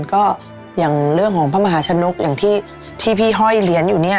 ก็อย่างเรื่องของพระมหาชนกอย่างที่พี่ห้อยเหรียญอยู่เนี่ย